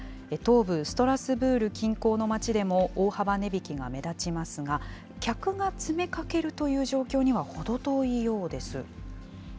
東部ストラスブール近郊の町でも、大幅値引きが目立ちますが、客が詰めかけるという状況にはほど遠いようです。